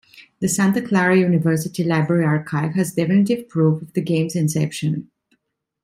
The Santa Clara University Library Archive has definitive proof of the games inception.